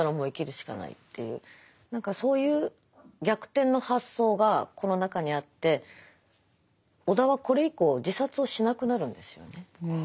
何かそういう逆転の発想がこの中にあって尾田はこれ以降自殺をしなくなるんですよね。